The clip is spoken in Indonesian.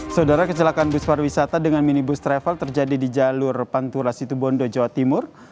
saudara kecelakaan bus pariwisata dengan minibus travel terjadi di jalur pantura situbondo jawa timur